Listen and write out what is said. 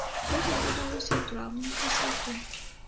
Гэта адбывалася ў траўні, красавіку.